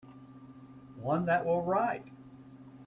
One that will write.